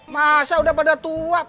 masa udah pada tua